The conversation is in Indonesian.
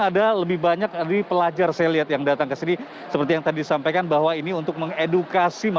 ada lebih banyak dari pelajar saya lihat yang datang ke sini seperti yang tadi disampaikan bahwa ini untuk mengedukasi